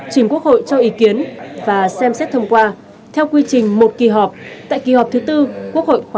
trình quốc hội cho ý kiến và xem xét thông qua theo quy trình một kỳ họp tại kỳ họp thứ tư quốc hội khóa một mươi bốn